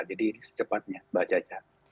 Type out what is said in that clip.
jadi ini secepatnya pak caca